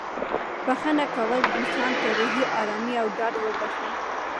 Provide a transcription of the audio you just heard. بښنه کول انسان ته روحي ارامي او ډاډ وربښي.